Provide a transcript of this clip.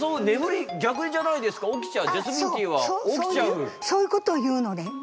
そういうそういうことを言うのね。